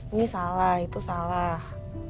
ini salah itu salah